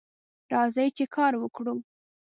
راځئ چې کار وکړو